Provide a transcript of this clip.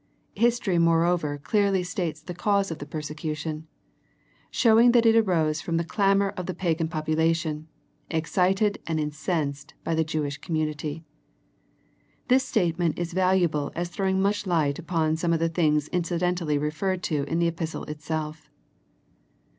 History moreover clearly states the cause of the persecution, showing that it arose from the clamour of the pagan population, excited and incensed by the Jewish community. This statement is valu able as throwing much light upon some of the things incidentally referred to in the epistle itself.